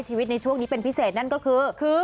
ในช่วงนี้เป็นพิเศษนั่นก็คือ